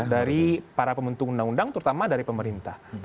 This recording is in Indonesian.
dari para pembentuk undang undang terutama dari pemerintah